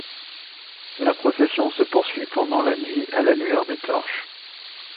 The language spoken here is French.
La procession se poursuit pendant la nuit à la lueur des torches.